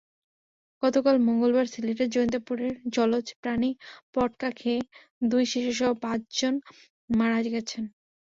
গতকাল মঙ্গলবার সিলেটের জৈন্তাপুরে জলজ প্রাণী পটকা খেয়ে দুই শিশুসহ পাঁচজন মারা গেছেন।